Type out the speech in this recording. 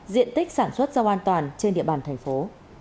diện tích sản xuất rau an toàn trên địa bàn thành phố